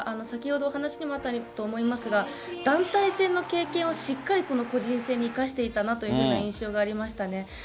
先ほどお話にもあったと思いますが、団体戦の経験をしっかりこの個人戦に生かしていたなというふうな印象がありましたね。